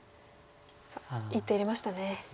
１手入れましたね。